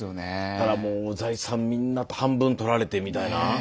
だからもう財産みんな半分取られてみたいな。